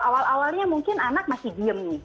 awal awalnya mungkin anak masih diem nih